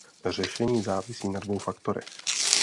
Řešení závisí na dvou faktorech.